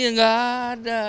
iya enggak ada